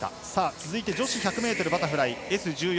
続いて女子１００ｍバタフライＳ１４